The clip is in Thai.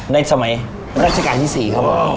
ในสมัยรัชกาลที่๔ครับผม